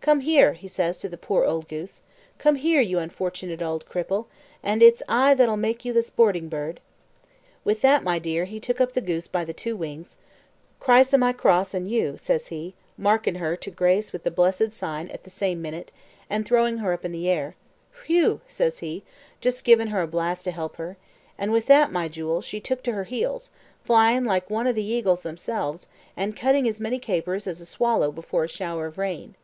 Come here!" says he to the poor old goose "come here, you unfortunate ould cripple, and it's I that'll make you the sporting bird." With that, my dear, he took up the goose by the two wings "Criss o' my cross an you," says he, markin' her to grace with the blessed sign at the same minute and throwing her up in the air, "whew," says he, jist givin' her a blast to help her; and with that, my jewel, she took to her heels, flyin' like one o' the eagles themselves, and cutting as many capers as a swallow before a shower of rain.